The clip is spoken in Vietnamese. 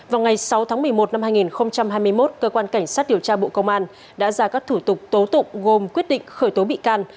vào ngày sáu tháng một mươi một năm hai nghìn hai mươi một cơ quan cảnh sát điều tra bộ công an đã ra các thủ tục tố tụng gồm quyết định khởi tố bị can